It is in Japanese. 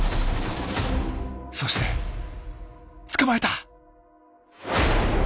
そして捕まえた！